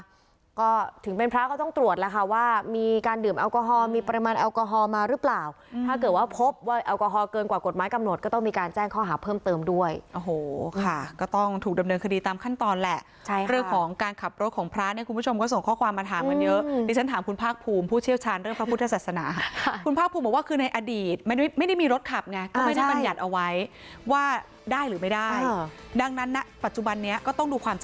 เพิ่มเติมนะคะก็ถึงเป็นพระก็ต้องตรวจแล้วค่ะว่ามีการดื่มแอลกอฮอล์มีประมาณแอลกอฮอล์มาหรือเปล่าถ้าเกิดว่าพบว่าแอลกอฮอล์เกินกว่ากฎไม้กำหนดก็ต้องมีการแจ้งข้อหาเพิ่มเติมด้วยโอ้โหค่ะก็ต้องถูกดำเนินคดีตามขั้นตอนแหละใช่เรื่องของการขับรถของพระเนี่ยคุณผู้ชมก็ส่งข้อคว